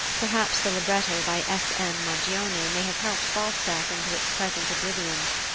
Perhaps the libretto by S. M. Maggioni may have helped Falstaff into its present oblivion.